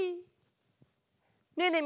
ねえねえ